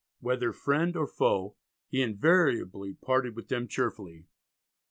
Whether friend or foe he invariably parted with them cheerfully.